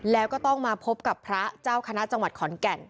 แล้วก็ต้องมาพบกับพระเจ้าคณะจังหวัดขอนแก่น